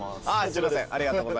すいません。